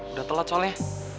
udah telat soalnya